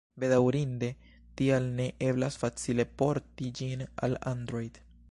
Bedaŭrinde tial ne eblas facile "porti" ĝin al Android.